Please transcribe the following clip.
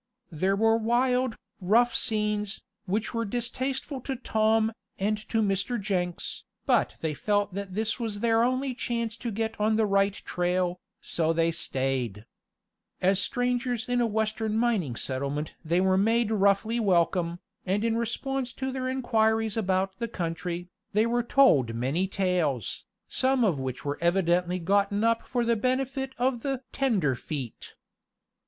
There were wild, rough scenes, which were distasteful to Tom, and to Mr. Jenks, but they felt that this was their only chance to get on the right trail, and so they stayed. As strangers in a western mining settlement they were made roughly welcome, and in response to their inquiries about the country, they were told many tales, some of which were evidently gotten up for the benefit of the "tenderfeet."